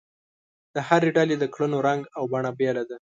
د هرې ډلې د کړنو رنګ او بڼه بېله ده.